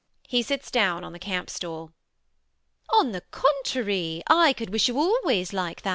[He sits down on the campstool]. MRS HUSHABYE. On the contrary, I could wish you always like that.